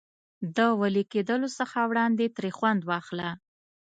د وېلې کېدلو څخه وړاندې ترې خوند واخله.